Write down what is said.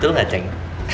tuh gak ceng